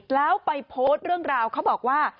แล้วไปโพสต์เรื่องราวเขาบอกว่า